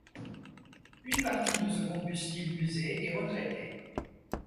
Une partie de ce combustible usé est retraité.